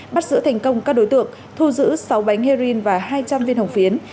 bắt giữ thành công các đối tượng thu giữ sáu bánh heroin và hai trăm linh viên hồng phiến